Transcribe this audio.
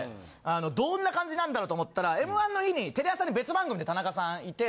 どんな感じなんだろうと思ったら『Ｍ−１』の日にテレ朝の別番組で田中さんいて。